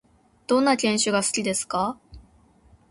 どんな犬種が好きですか？